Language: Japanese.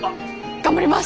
頑張ります。